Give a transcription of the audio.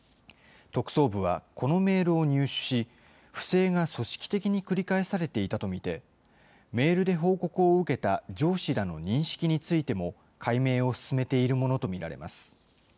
特捜部はこのメールを入手し、不正が組織的に繰り返されていたと見て、メールで報告を受けた上司らの認識についても、解明を進めているものと見られます。